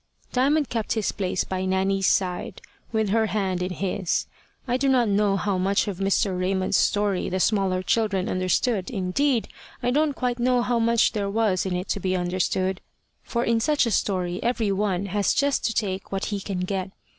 Diamond kept his place by Nanny's side, with her hand in his. I do not know how much of Mr. Raymond's story the smaller children understood; indeed, I don't quite know how much there was in it to be understood, for in such a story every one has just to take what he can get.